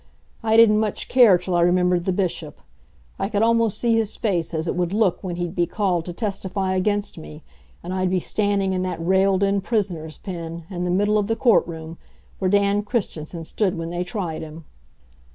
I didn't much care, till I remembered the Bishop. I could almost see his face as it would look when he'd be called to testify against me, and I'd be standing in that railed in prisoner's pen, in the middle of the court room, where Dan Christensen stood when they tried him.